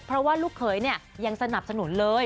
เพราะว่าลูกเขยยังสนับสนุนเลย